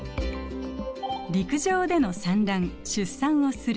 「陸上での産卵・出産をする」。